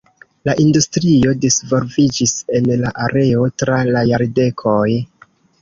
La industrio disvolviĝis en la areo tra la jardekoj.